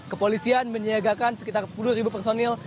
kepolisian menyiagakan sekitar sepuluh personil